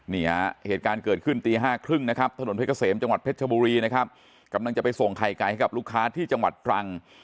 เหตุการณ์เกิดขึ้นตีห้าครึ่งนะครับถนนเพชรเกษมจังหวัดเพชรชบุรีนะครับกำลังจะไปส่งไข่ไก่ให้กับลูกค้าที่จังหวัดตรัง